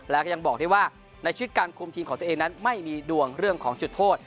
แล้วก็ยังบอกได้ว่าในชีวิตการคุมทีมของตัวเองนั้นไม่มีดวงเรื่องของจุดโทษ